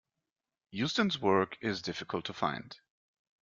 Eusden's work is difficult to find.